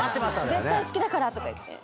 絶対好きだから！とか言って。